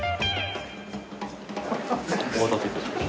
お待たせいたしました。